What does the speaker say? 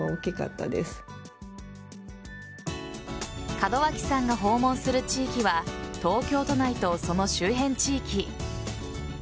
門脇さんの訪問する地域は東京都内と、その周辺地域。